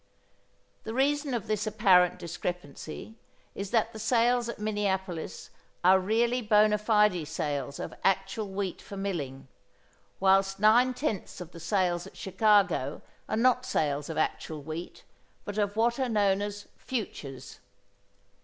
The reason of this apparent discrepancy is that the sales at Minneapolis are really bona fide sales of actual wheat for milling, whilst nine tenths of the sales at Chicago are not sales of actual wheat, but of what are known as "futures."